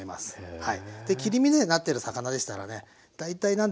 はい。